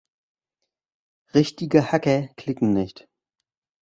Richtige Hacker klicken nicht.